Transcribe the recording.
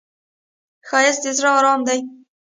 ښایست د زړه آرام دی